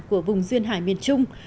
của vùng duyên hải miền trung